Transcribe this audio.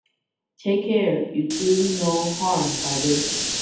Take care you do no harm by this.